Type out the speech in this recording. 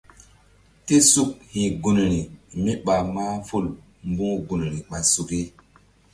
Tésuk hi̧ gunri míɓa mahful mbu̧h gunri ɓa suki.